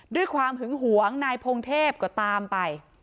ด้วยความหึงหวงนายพงเทพก็ตามไป